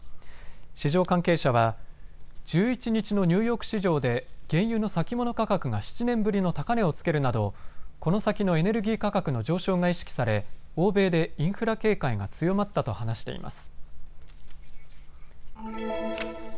市場関係者は１１日のニューヨーク市場で原油の先物価格が７年ぶりの高値をつけるなどこの先のエネルギー価格の上昇が意識され欧米でインフレ警戒が強まったと話しています。